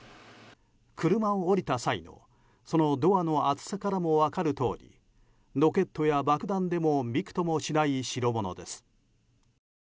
車を降りた際の、そのドアの厚さからも分かるとおりロケットや爆弾でもびくともしない代物です。